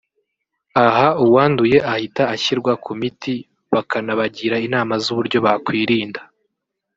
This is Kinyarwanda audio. aha uwanduye ahita ashyirwa ku miti bakanabagira inama z’uburyo bakwirinda